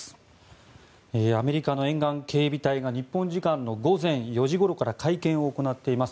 アメリカの沿岸警備隊が日本時間の午前４時ごろから会見を行っています。